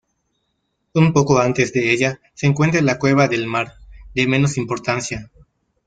Un poco antes de ella se encuentra la Cueva del Mar, de menos importancia.